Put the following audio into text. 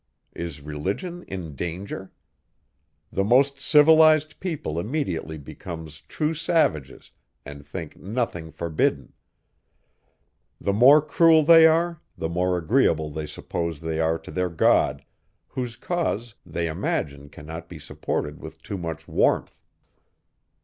Is religion in danger? the most civilized people immediately becomes true savages, and think nothing forbidden. The more cruel they are, the more agreeable they suppose they are to their God, whose cause they imagine cannot be supported with too much warmth.